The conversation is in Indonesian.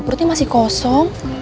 perutnya masih kosong